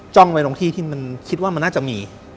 ไว้ตรงที่ที่มันคิดว่ามันน่าจะมี